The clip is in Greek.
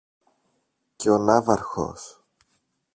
Και ο ναύαρχος.